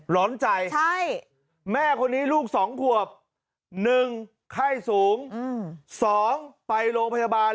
ร้อนใจแม่คนนี้ลูก๒ขวบ๑ไข้สูง๒ไปโรงพยาบาล